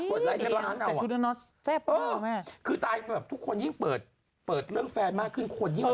ยอดกดไลค์จะล้านเอาอ่ะคือตายแบบทุกคนยิ่งเปิดเปิดเรื่องแฟนมากขึ้นคนยิ่ง